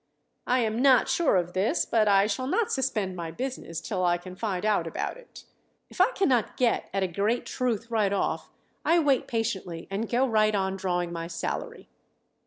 I am 'not sure of this, but I shall not suspend my business till I can find out about it. If I cannot get at a great truth right off I wait patiently and go right on drawing my salary.